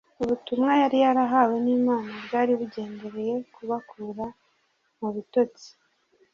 Ubutumwa yari yarahawe n'Imana bwari bugendereye kubakura mu bitotsi